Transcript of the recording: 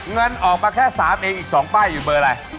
เงินออกมาแค่๓เองอีก๒ป้ายอยู่เบอร์อะไร